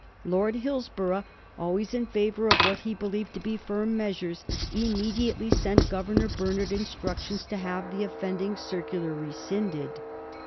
Lord Hillsborough, always in favor of what he believed to be firm measures, immediately sent Governor Bernard instructions to have the offending circular rescinded.